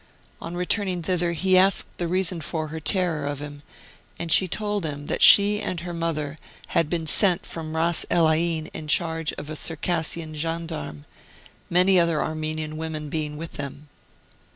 On returning thither he asked the reason for her terror of him, and she told him that she and her mother had been sent from Ras el Ain in charge of a Circassian gen darme, many other Armenian women being with them.